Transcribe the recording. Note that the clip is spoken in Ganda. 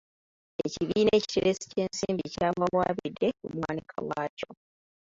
Ekibiina ekiteresi ky'ensimbi kyawawaabidde omuwanika waakyo.